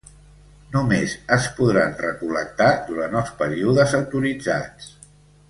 Només es podran recol·lectar durant els períodes autoritzats.